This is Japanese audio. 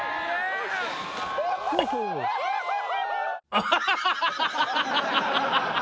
アハハハハ！